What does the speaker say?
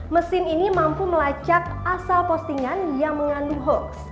mesin ini mampu melacak asal postingan yang mengandung hoax